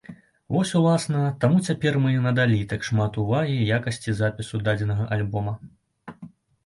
Вось, уласна, таму цяпер мы і надалі так шмат увагі якасці запісу дадзенага альбома.